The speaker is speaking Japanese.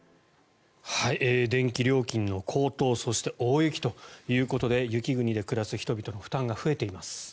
電気料金の高騰そして大雪ということで雪国で暮らす人々の負担が増えています。